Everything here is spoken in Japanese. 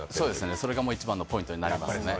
それが一番のポイントになります。